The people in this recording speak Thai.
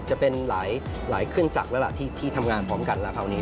จะเป็นหลายเคลื่อนจักรที่ทำงานพร้อมกันคราวนี้